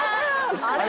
あれ？